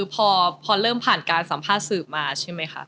พอเริ่มผ่านการสัมภาษณ์สืบมา